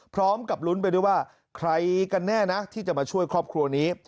พร้อมกับลุ้นไปด้วยว่าใครกันแน่นะที่จะมาช่วยครอบครัวนี้